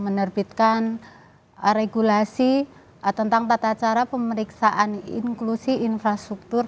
menerbitkan regulasi tentang tata cara pemeriksaan inklusi infrastruktur